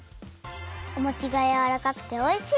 おもちがやわらかくておいしい！